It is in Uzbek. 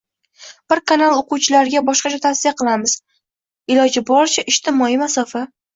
Biz kanal o'quvchilariga boshqacha tavsiya qilamiz: iloji boricha, ijtimoiy masofa